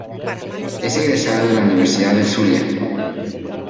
Es egresada de la Universidad del Zulia.